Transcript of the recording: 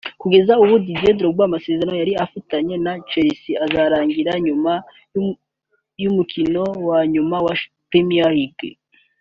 Kugeza ubu Didier Drogba amasezerano yari afitanye na Chelsea azarangira nyuma y’umukino wa nyuma wa Champions League